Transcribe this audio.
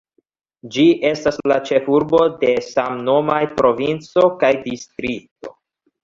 Ĝi estas la ĉefurbo de samnomaj provinco kaj distrikto.